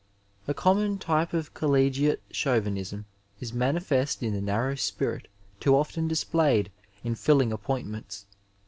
A common type of collegiate Chauvinism is manifest in the narrow spirit too often displayed in filling appoint ments.